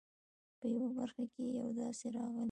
په یوه برخه کې یې داسې راغلي.